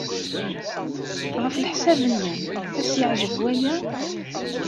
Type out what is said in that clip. Ɣef leḥsab-nnem, ad as-yeɛjeb waya?